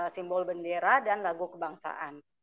simbol bendera dan lagu kebangsaan